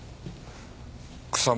草間